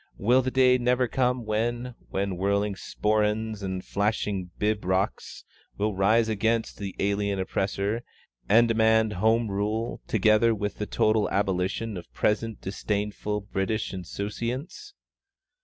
Will the day never come when, with whirling sporrans and flashing pibrochs you will rise against the alien oppressor, and demand Home Rule, together with the total abolition of present disdainful British insouciance?